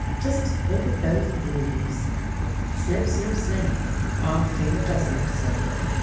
Just look at these leaves!" Snip, snip, snip! Off came a dozen or so.